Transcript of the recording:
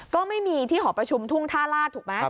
ก็ไม่มีที่หอประชุมทุ่งท่าลาศถูกไหม